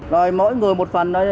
rồi mỗi người một phần